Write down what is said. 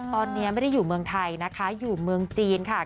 ตอนนี้ไม่ได้อยู่เมืองไทยนะคะอยู่เมืองจีนค่ะ